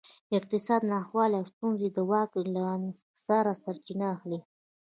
اقتصادي ناخوالې او ستونزې د واک له انحصار څخه سرچینه اخلي.